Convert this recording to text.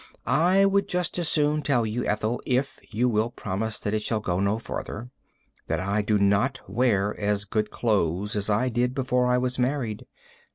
I would just as soon tell you, Ethel, if you will promise that it shall go no farther, that I do not wear as good clothes as I did before I was married.